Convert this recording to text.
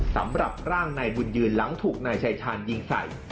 สำหรับร่างนายบุญยืนหลังถูกนายชายชาญยิงใส่